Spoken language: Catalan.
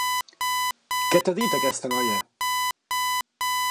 Què t'ha dit, aquesta noia?